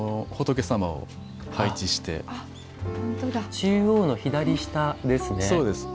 中央の左下ですね。